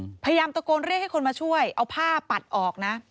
พยายามตะโกนเรียกให้คนมาช่วยเอาผ้าปัดออกนะ